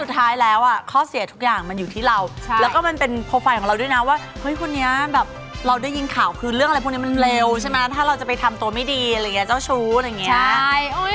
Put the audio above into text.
สุดท้ายแล้วอ่ะข้อเสียทุกอย่างมันอยู่ที่เราแล้วก็มันเป็นโปรไฟล์ของเราด้วยนะว่าเฮ้ยคนนี้แบบเราได้ยินข่าวคือเรื่องอะไรพวกนี้มันเร็วใช่ไหมถ้าเราจะไปทำตัวไม่ดีอะไรอย่างนี้เจ้าชู้อะไรอย่างนี้